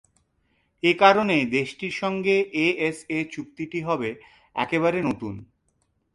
এ কারণে দেশটির সঙ্গে এএসএ চুক্তিটি হবে একেবারে নতুন।